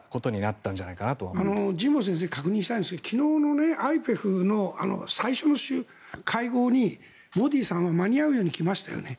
神保先生に確認したいんですけど昨日ＩＰＥＦの最初の会合にモディさんは間に合うように来ましたよね。